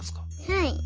はい。